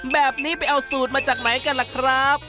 แบบนี้ไปเอาสูตรมาจากไหนกันล่ะครับ